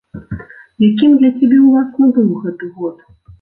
Якім для цябе, уласна, быў гэты год?